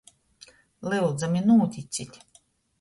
Lyudzami, nūticit!